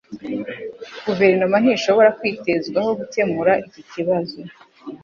Guverinoma ntishobora kwitezwaho gukemura iki kibazo